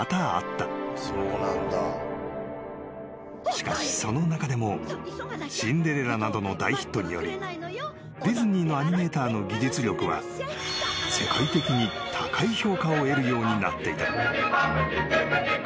［しかしその中でも『シンデレラ』などの大ヒットによりディズニーのアニメーターの技術力は世界的に高い評価を得るようになっていた］